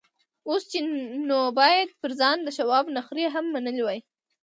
اوس يې نو بايد پر ځان د شواب نخرې هم منلې وای.